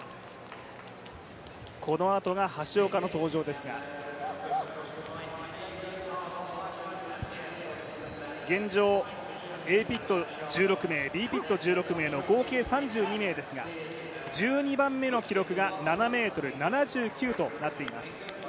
このあとが橋岡の登場ですが現状、Ａピット１６名Ｂピット１６名の合計３２名ですが１２番目の記録が７ｍ７９となっています。